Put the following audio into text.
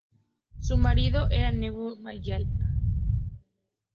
Su marido era Newton Mayall.